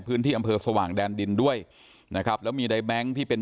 พื้นที่อำเภอสว่างแดนดินด้วยนะครับแล้วมีในแบงค์ที่เป็น